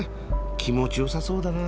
気持ちよさそうだな。